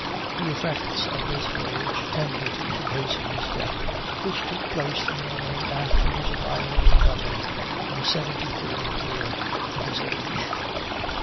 The effects of this voyage tended to hasten his death, which took place the morning after his arrival in London, in the 73rd year of his age."